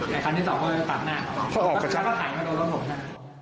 ในครั้งที่สองก็ตัดหน้าเพราะฉะนั้นก็ถ่ายมาโต๊ะโต๊ะผมน่ะ